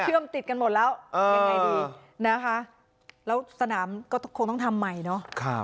ติดกันหมดแล้วยังไงดีนะคะแล้วสนามก็คงต้องทำใหม่เนาะ